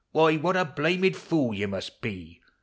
Why, what a blamed fool yon must be!